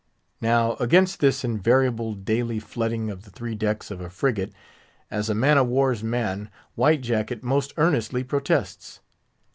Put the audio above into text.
Now, against this invariable daily flooding of the three decks of a frigate, as a man of war's man, White Jacket most earnestly protests.